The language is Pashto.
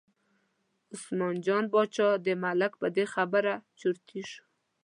عثمان جان باچا د ملک په دې خبره چرتي شو.